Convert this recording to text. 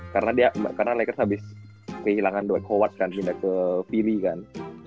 karena lakers habis kehilangan dwight howard kan pindah ke philly kan